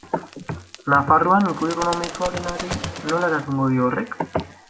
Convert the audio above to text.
Nafarroan ikur ekonomikoa denari nola eragingo dio horrek?